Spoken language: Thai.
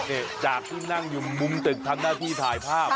อันนี้จากซิ่งนั่งอยู่มุมตึกธรรมธรรมที่ถ่ายภาพ